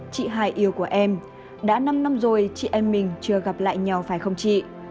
chị hải yêu của em đã năm năm rồi chị em mình chưa gặp lại nhau phải không chị